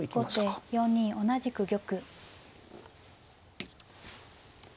後手４二同じく玉。